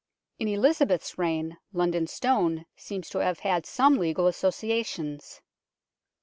In Elizabeth's reign London Stone seems to have had some legal associations.